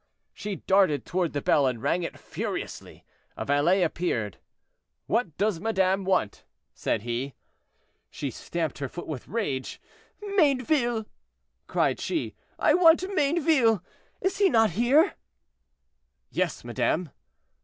She darted toward the bell, and rang it furiously; a valet appeared. "What does madame want?" said he. She stamped her foot with rage. "Mayneville!" cried she, "I want Mayneville. Is he not here?" "Yes, madame."